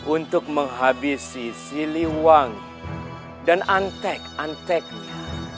untuk menghabisi siliwangi dan antek anteknya